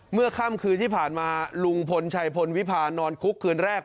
เมื่อคืนที่ผ่านมาลุงพลชัยพลวิพานอนคุกคืนแรก